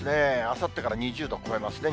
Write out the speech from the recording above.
あさってから２０度超えますね。